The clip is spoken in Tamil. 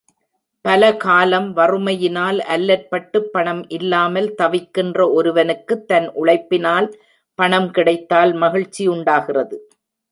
பலகாலம் வறுமையினால் அல்லற்பட்டுப் பணம் இல்லாமல் தவிக்கின்ற ஒருவனுக்குத் தன் உழைப்பினால் பணம் கிடைத்தால் மகிழ்ச்சி உண்டாகிறது.